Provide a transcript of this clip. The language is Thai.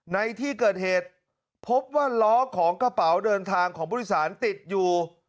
ในที่เกิดเหตุพบว่าล้อของกระเป๋าเดินทางของผู้โดยสารติดอยู่